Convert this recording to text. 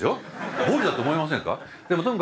暴利だと思いませんか。